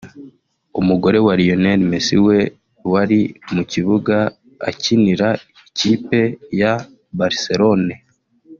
umugore wa Lionel Messi we wari mu kibuga akinira ikipe ya Barcelone